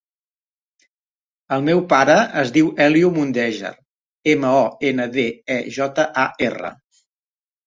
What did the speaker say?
El meu pare es diu Elio Mondejar: ema, o, ena, de, e, jota, a, erra.